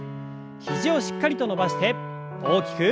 肘をしっかりと伸ばして大きく。